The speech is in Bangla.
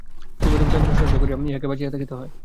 তীব্রতম যন্ত্রণা সহ্য করিয়া ইহাকে বাঁচিয়া থাকিতে হয়।